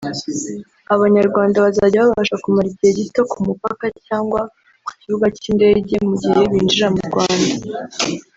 Abanyarwanda bazajya babasha kumara igihe gito ku mupaka cyangwa ku kibuga cy’indege mu gihe binjira mu Rwanda